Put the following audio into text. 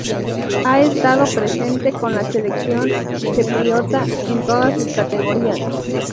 Ha estado presente con la selección chipriota en todas sus categorías.